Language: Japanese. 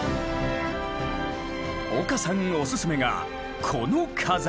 岡さんおすすめがこの飾り！